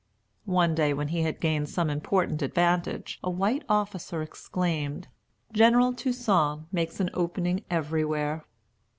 One day, when he had gained some important advantage, a white officer exclaimed, "General Toussaint makes an opening everywhere."